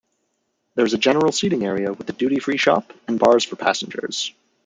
There is a general seating area with a duty-free shop and bars for passenger.